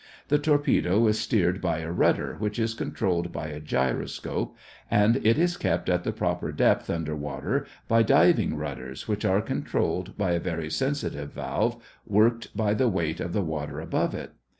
The torpedo is steered by a rudder which is controlled by a gyroscope, and it is kept at the proper depth under water by diving rudders which are controlled by a very sensitive valve worked by the weight of the water above it.